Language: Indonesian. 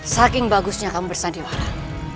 saking bagusnya kamu bersandiwaram